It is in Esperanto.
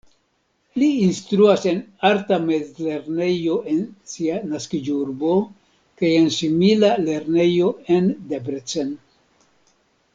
Li instruas en arta mezlernejo en sia naskiĝurbo kaj en simila lernejo en Debrecen.